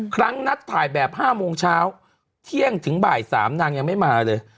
ครั้งนัดถ่ายแบบ๕โมงเช้าเที่ยงถึงบ่าย๓นางยังไม่มาเลย